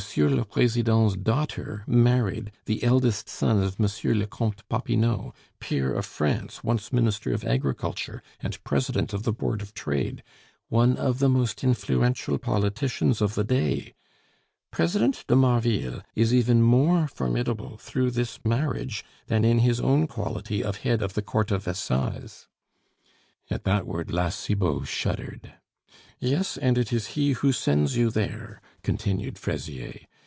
le President's daughter married the eldest son of M. le Comte Popinot, peer of France, once Minister of Agriculture, and President of the Board of Trade, one of the most influential politicians of the day. President de Marville is even more formidable through this marriage than in his own quality of head of the Court of Assize." At that word La Cibot shuddered. "Yes, and it is he who sends you there," continued Fraisier.